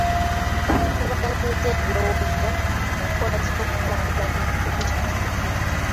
Baakubaganyizza ebirowoozo ku nkola z'okukulaakulanya ekitundu kyaffe.